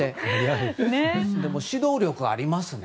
でも、指導力ありますね。